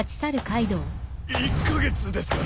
１カ月ですか。